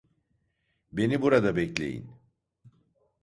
Beni burada bekleyin.